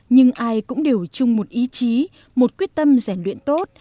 nhưng ai cũng đều chung một ý chí một quyết tâm rèn luyện tốt